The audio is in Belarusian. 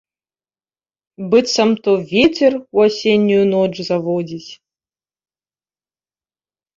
Быццам то вецер у асеннюю ноч заводзіць.